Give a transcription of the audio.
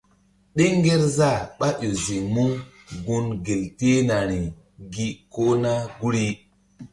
Ɗeŋ ngerzah ɓáƴo ziŋ mú gun gel tehnari gi kona guri.